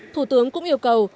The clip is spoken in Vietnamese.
thủ tướng cũng yêu cầu